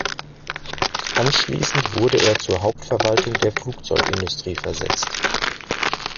Anschließend wurde er zur Hauptverwaltung der Flugzeugindustrie versetzt.